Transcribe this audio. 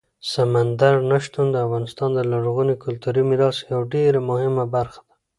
سمندر نه شتون د افغانستان د لرغوني کلتوري میراث یوه ډېره مهمه برخه ده.